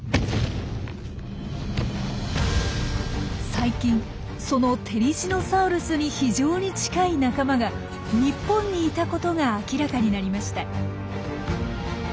最近そのテリジノサウルスに非常に近い仲間が日本にいたことが明らかになりました。